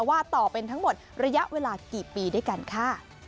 ว่าต่อเป็นทั้งหมดระยะเวลากี่ปีด้วยกันค่ะ